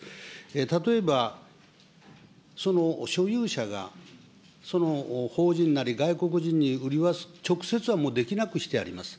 例えば、所有者がその法人なり外国人に売りは、直接はできなくしてあります。